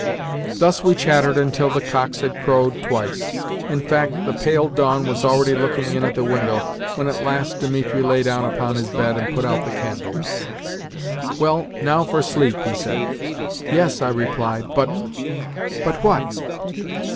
Thus we chattered until the cocks had crowed twice. In fact, the pale dawn was already looking in at the window when at last Dimitri lay down upon his bed and put out the candle. "Well, now for sleep," he said. "Yes," I replied, "but " "But what?"